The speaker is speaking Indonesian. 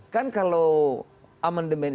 kan kalau amendement